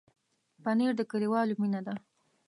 پنېر د کلیوالو مینه ده.